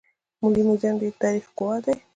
ملي موزیم د دې تاریخ ګواه دی